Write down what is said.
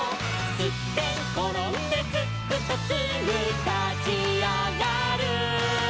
「すってんころんですっくとすぐたちあがる」